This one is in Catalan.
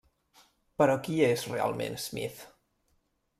Però qui és realment Smith?